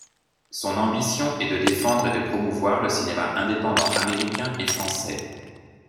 Son ambition est de défendre et de promouvoir le cinéma indépendant américain et français.